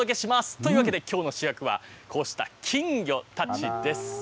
というわけで、きょうの主役はこうした金魚たちです。